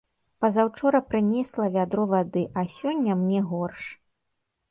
Пазаўчора прынесла вядро вады, а сёння мне горш.